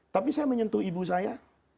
tapi saya menyentuh ibu saya